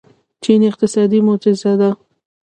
چین اقتصادي معجزه ده.